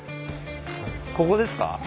ここですか？